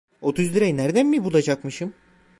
Otuz lirayı nereden mi bulacakmışım?